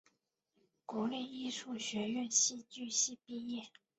国立艺术学院戏剧系毕业。